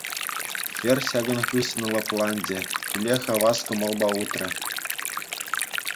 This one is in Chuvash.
Хӗр ҫакӑн хыҫҫӑн лӑпланчӗ, киле хавас кӑмӑлпа утрӗ.